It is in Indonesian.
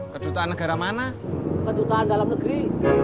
kedutaan negara mana kedutaan dalam negeri